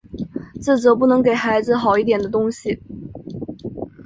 自责不能给孩子好一点的东西